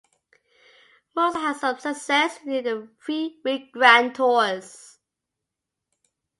Moser had some success in the three-week grand tours.